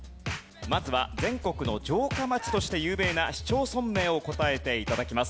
まずは全国の城下町として有名な市町村名を答えて頂きます。